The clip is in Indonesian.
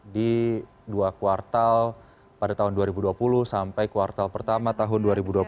di dua kuartal pada tahun dua ribu dua puluh sampai kuartal pertama tahun dua ribu dua puluh